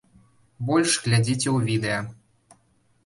Больш глядзіце ў відэа.